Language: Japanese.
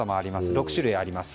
６種類あります。